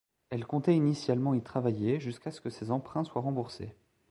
Elle comptait initialement y travailler jusqu'à ce que ses emprunts soient remboursés.